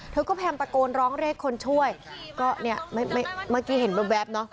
เธอก็แพมปะโกนร้องเล่กคนช่วยก็เนี้ยไม่ไม่เมื่อกี้เห็นแบบแบบเนอะ